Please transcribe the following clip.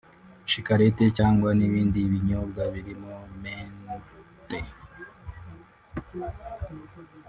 shikareti cyangwa ibindi binyobwa birimo menthe